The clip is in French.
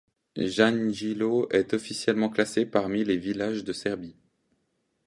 Jagnjilo est officiellement classé parmi les villages de Serbie.